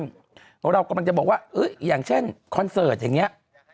เรากำลังจะบอกว่าอย่างเช่นคอนเสิร์ตอย่างนี้